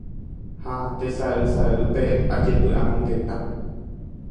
ha tesaysaýpe ajepy'amongeta